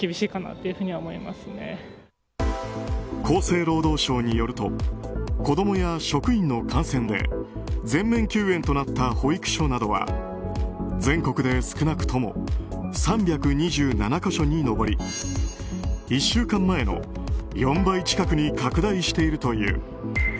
厚生労働省によると子供や職員の感染で全面休園となった保育所などは全国で少なくとも３２７か所に上り１週間前の４倍近くに拡大しているという。